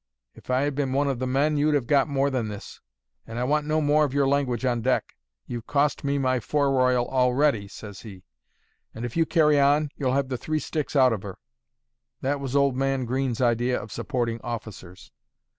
If I had been one of the men, you'd have got more than this. And I want no more of your language on deck. You've cost me my fore royal already,' says he; 'and if you carry on, you'll have the three sticks out of her.' That was old man Green's idea of supporting officers.